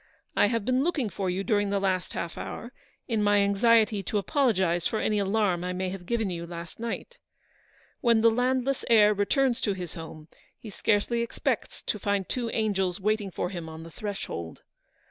I have been looking for you during the last half hour, in my anxiety to apologise for any alarm I may have given you v 2 292 Eleanor's victory. last night. "When the landless heir returns to his home, he scarcely expects to find two angels wait ing for him on the threshold.